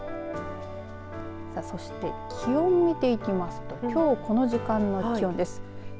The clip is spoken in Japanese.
さあ、そして気温を見ていきますときょう、この時間の気温です。